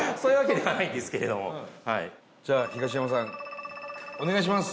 じゃあ、東山さんお願いします。